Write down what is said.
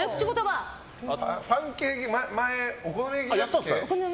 パンケーキ、前はお好み焼きだっけ。